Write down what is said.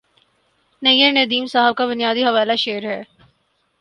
نیّرندیم صاحب کا بنیادی حوالہ شعر ہے